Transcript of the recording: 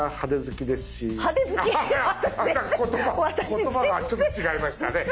言葉がちょっと違いましたね。